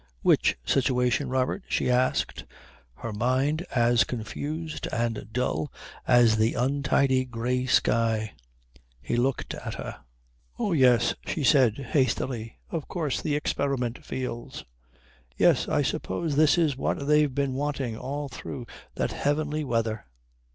"Which situation, Robert?" she asked, her mind as confused and dull as the untidy grey sky. He looked at her. "Oh, yes," she said hastily, "of course the experiment fields. Yes, I suppose this is what they've been wanting all through that heavenly weather."